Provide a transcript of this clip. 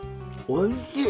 おいしい！